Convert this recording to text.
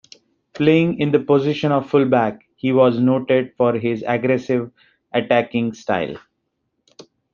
Playing in the position of fullback, he was noted for his aggressive attacking style.